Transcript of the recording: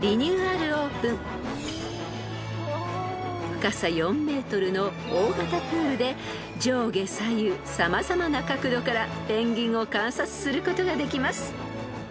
［深さ４ｍの大型プールで上下左右様々な角度からペンギンを観察することができます］